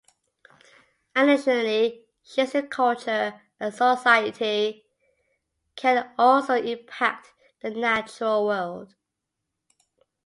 Additionally, shifts in culture and society can also impact the natural world.